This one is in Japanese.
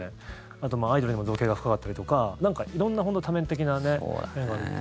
あと、アイドルにも造詣が深かったりとか色んな、本当に多面的な面があるって。